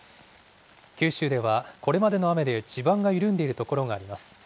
九州では、これまでの雨で地盤が緩んでいる所があります。